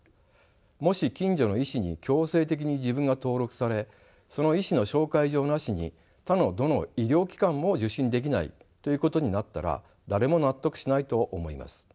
もし近所の医師に強制的に自分が登録されその医師の紹介状なしに他のどの医療機関も受診できないということになったら誰も納得しないと思います。